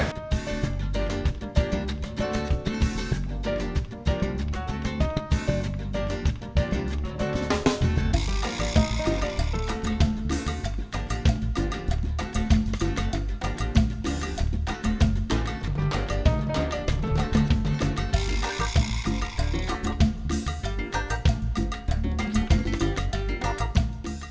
อ่า